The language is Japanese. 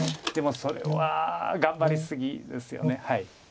でもそれは頑張り過ぎですよね。